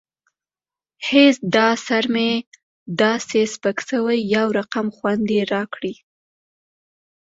هېڅ دا سر مې داسې سپک سوى يو رقم خوند يې راکړى.